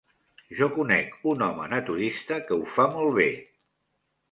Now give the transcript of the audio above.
Jo conec un home naturista que ho fa molt bé.